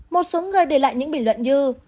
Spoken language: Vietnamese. một số người để lại những bình luận như